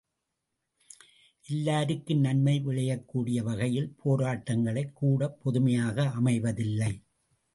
எல்லாருக்கும் நன்மை விளையக் கூடிய வகையில் போராட்டங்கள் கூடப் பொதுமையாக அமைவதில்லை.